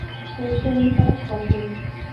Eu estou indo para Koper.